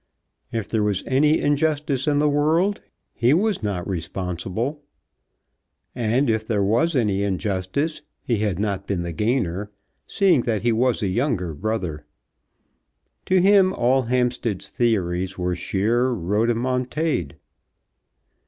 If there was any injustice in the world he was not responsible. And if there was any injustice he had not been the gainer, seeing that he was a younger brother. To him all Hampstead's theories were sheer rhodomontade.